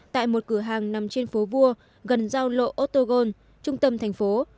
tại một cửa hàng nằm trên phố vua gần giao lộ otogon trung tâm thành phố